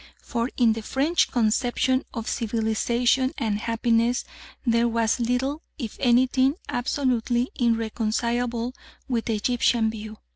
For in the French conception of civilisation and happiness there was little if anything absolutely irreconcilable with the Egyptian view.